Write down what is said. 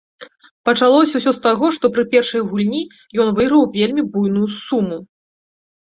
Пачалося ўсё з таго, што пры першай гульні ён выйграў вельмі буйную суму.